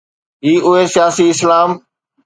هي آهي ’سياسي اسلام‘.